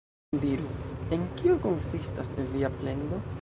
Diru, en kio konsistas via plendo?